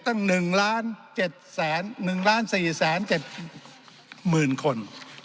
ตั้ง๑๔๗๗๐๐๐คน